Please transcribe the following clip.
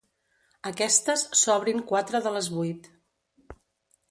Aquestes s'obrin quatre de les vuit.